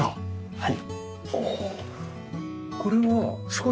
はい。